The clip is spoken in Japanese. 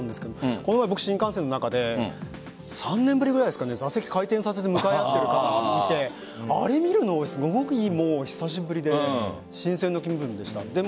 この前、新幹線の中で３年ぶりぐらいですか座席を回転させて向かい合っていた人を見てあれを見るのもすごく久しぶりで新鮮な気分でした。